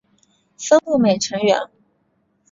峰步美成员。